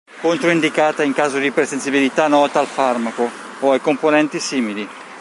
Controindicata in caso di ipersensibilità nota al farmaco o ai componenti simili.